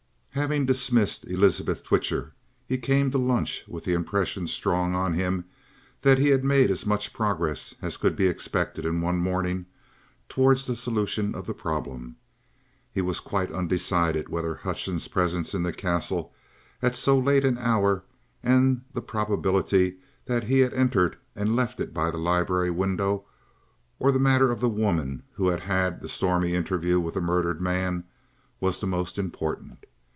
Having dismissed Elizabeth Twitcher, he came to lunch with the impression strong on him that he had made as much progress as could be expected in one morning towards the solution of the problem. He was quite undecided whether Hutchings' presence in the Castle at so late an hour, and the probability that he had entered and left it by the library window, or the matter of the woman who had had the stormy interview with the murdered man, was the more important.